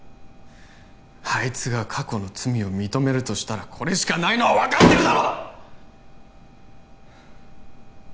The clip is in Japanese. あいつが過去の罪を認めるとしたらこれしかないのは分かってるだろ！